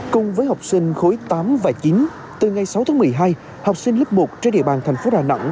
cùng với học sinh khối tám và chín từ ngày sáu tháng một mươi hai học sinh lớp một trên địa bàn thành phố đà nẵng